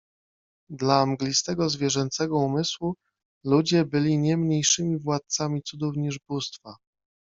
Dla mglistego zwierzęcego umysłu ludzie byli nie mniejszymi władcami cudów niż bóstwa